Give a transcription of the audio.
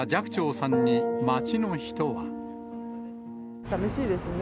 さみしいですね。